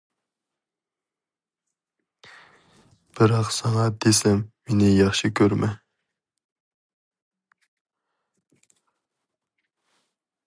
بىراق ساڭا دېسەم مېنى ياخشى كۆرمە!